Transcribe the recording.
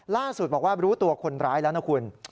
ล่าสุดบอกว่ารู้ตัวคนร้ายแล้วนะคุณ